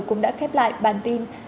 cũng đã khép lại bản tin